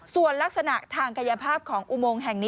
ส่วนลักษณะทางกายภาพของอุโมงแห่ง๑